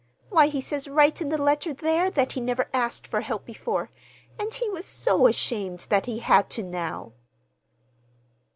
Why, he says right in the letter there that he never asked for help before, and he was so ashamed that he had to now."